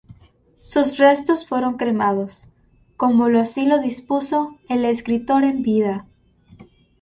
Sus restos fueron cremados como lo así lo dispuso el escritor en vida.